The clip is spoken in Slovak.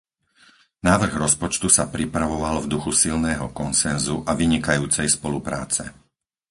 Návrh rozpočtu sa pripravoval v duchu silného konsenzu a vynikajúcej spolupráce.